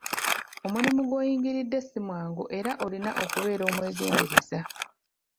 Omulimu gw'oyingiridde si mwangu era olina okubeera omwegendereza.